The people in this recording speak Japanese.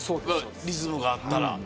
リズムがあったら。